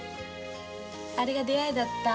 あれが出会いだった。